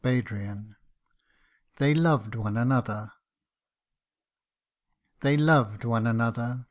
176 THEY LOVED ONE ANOTHER. THEY loved one another